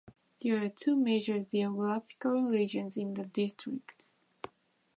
There are two major geographical regions in the district.